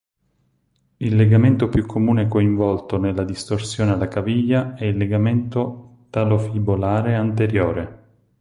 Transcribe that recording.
Il legamento più comune coinvolto nella distorsione alla caviglia è il legamento talofibolare anteriore.